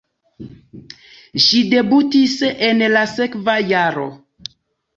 Ŝi debutis en la sekva jaro.